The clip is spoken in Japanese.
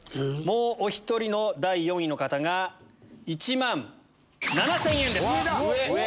もうお１人の第４位の方が１万７０００円です。